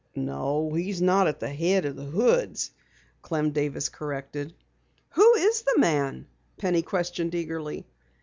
"No, he's not at the head of the Hoods," Clem Davis corrected. "Who is the man?" Penny questioned eagerly.